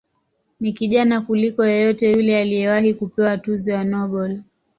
Ni kijana kuliko yeyote yule aliyewahi kupewa tuzo ya Nobel.